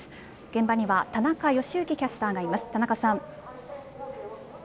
現場には田中良幸キャスターがいます。